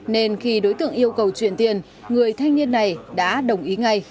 nên khi đối tượng yêu cầu chuyển tiền người thanh niên này đã đồng ý ngay